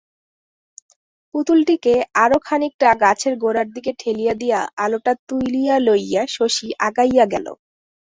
পুতুলটিকে আরও খানিকটা গাছের গোড়ার দিকে ঠেলিয়া দিয়া আলোটা তুলিয়া লইয়া শশী আগাইয়া গেল।